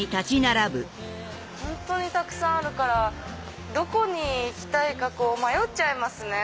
本当にたくさんあるからどこに行きたいか迷っちゃいますね。